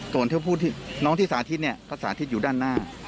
ตัวน้องที่สาธิตก็สาธิตอยู่ด้านหน้า